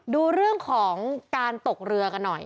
ดูเรื่องของการตกเรือกันหน่อย